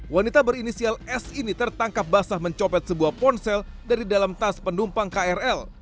wanita berinisial s ini tertangkap basah mencopet sebuah ponsel dari dalam tas penumpang krl